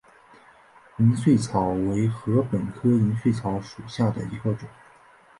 银穗草为禾本科银穗草属下的一个种。